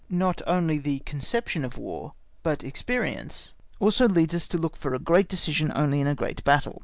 Not only the conception of War but experience also leads us to look for a great decision only in a great battle.